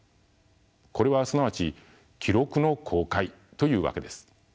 これはすなわち記録の公開というわけです。